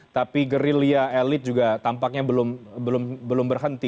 tapi gerilya elit juga tampaknya belum berhenti